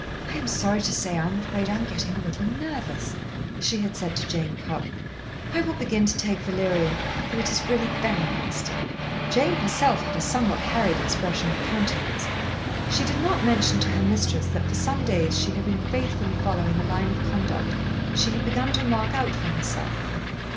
"I am sorry to say I am afraid I am getting a little nervous," she had said to Jane Cupp. "I will begin to take valerian, though it is really very nasty." Jane herself had a somewhat harried expression of countenance. She did not mention to her mistress that for some days she had been faithfully following a line of conduct she had begun to mark out for herself.